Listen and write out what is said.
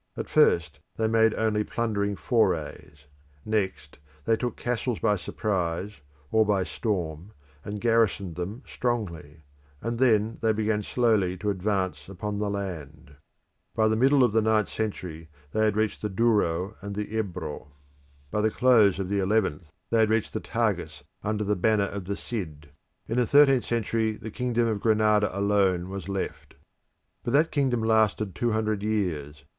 At first they made only plundering forays; next they took castles by surprise or by storm and garrisoned them strongly; and then they began slowly to advance upon the land. By the middle of the ninth century they had reached the Douro and the Ebro. By the close of the eleventh they had reached the Tagus under the banner of the Cid. In the thirteenth century the kingdom of Granada alone was left. But that kingdom lasted two hundred years.